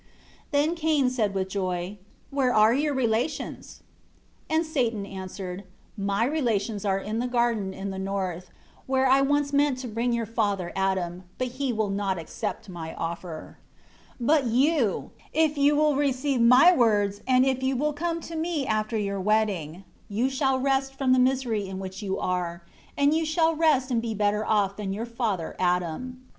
8 Then Cain said with joy, "Where are your relations?" 9 And Satan answered, "My relations are in a garden in the north, where I once meant to bring your father Adam; but he would not accept my offer. 10 But you, if you will receive my words and if you will come to me after your wedding, you shall rest from the misery in which you are; and you shall rest and be better off than your father Adam."